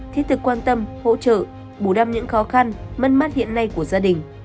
thiết thực quan tâm hỗ trợ bù đắp những khó khăn mất mát hiện nay của gia đình